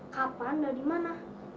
kapan dan dimana